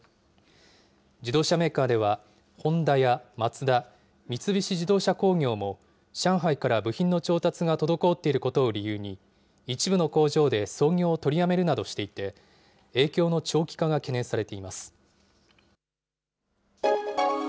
自動車メーカーでは、ホンダやマツダ、三菱自動車工業も、上海から部品の調達が滞っていることを理由に、一部の工場で操業を取りやめるなどしていて、影響の長期化が懸念されています。